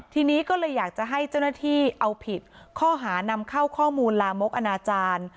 ทีนี้ก็เลยอยากจะให้เจ้าหน้าที่เอาผิดข้อหานำเข้าข้อมูลลามกอนาจารย์